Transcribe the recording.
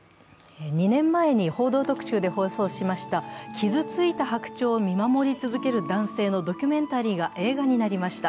２年前に「報道特集」で放送しました傷ついた白鳥を見守る男性のドキュメンタリーが映画になりました。